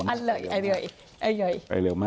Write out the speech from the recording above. อันเลยไอ้เยย